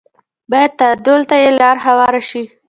بايد تعديل ته یې لاره هواره شي